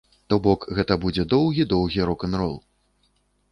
То бок, гэта будзе доўгі-доўгі рок-н-рол.